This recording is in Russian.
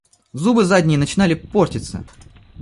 Зубы задние начинали портиться.